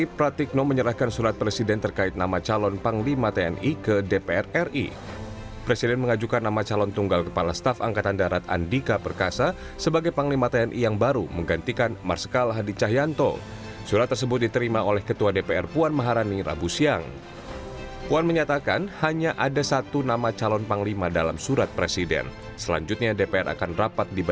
p tiga dan gerindra yakin keputusan presiden itu telah melalui pertimbangan yang ketat